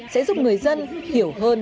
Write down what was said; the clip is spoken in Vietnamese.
sẽ giúp người dân hiểu hơn